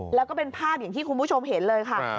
แล้วก็เป็นภาพอย่างที่คุณผู้ชมเห็นเลยค่ะ